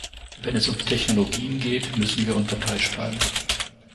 Wenn es um Technologien geht, müssen wir unparteiisch bleiben.